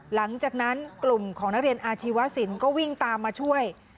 หลังจากนั้นกลุ่มของนักเรียนอาชีวสินก็วิ่งตามมาช่วย